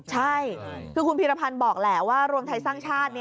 ใช่คือคุณพีรพันธ์บอกแหละว่ารวมไทยสร้างชาติ